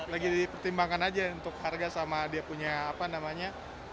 lagi dipertimbangkan aja untuk harga sama dia punya apa namanya